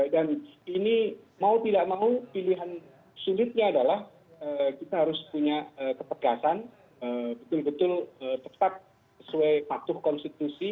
dan ini mau tidak mau pilihan sulitnya adalah kita harus punya kepegasan betul betul tetap sesuai patuh konstitusi